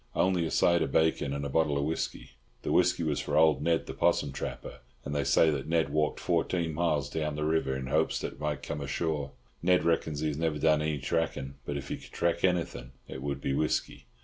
"Only a side of bacon and a bottle of whisky. The whisky was for old Ned the 'possum trapper, and they say that Ned walked fourteen miles down the river in hopes that it might have come ashore. Ned reckons he has never done any tracking, but if he could track anything it would be whisky."